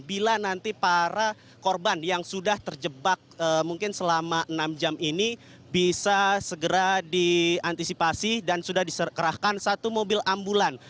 bila nanti para korban yang sudah terjebak mungkin selama enam jam ini bisa segera diantisipasi dan sudah dikerahkan satu mobil ambulan